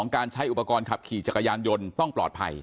การใช้อุปกรณ์ขับขี่จักรยานยนต์ต้องปลอดภัย